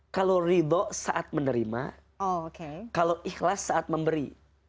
kalau ridho saat menerima kalau ikhlas saat memberi